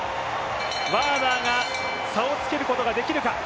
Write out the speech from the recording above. ワーナーが差をつけることができるか。